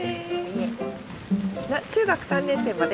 中学３年生まで？